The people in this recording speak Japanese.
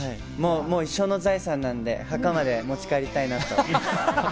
一生の財産なので、墓まで持ち帰りたいなと。